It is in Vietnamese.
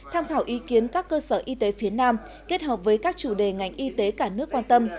tham khảo ý kiến các cơ sở y tế phía nam kết hợp với các chủ đề ngành y tế cả nước quan tâm